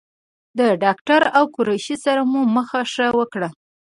د ډاکټر او قریشي سره مو مخه ښه وکړه.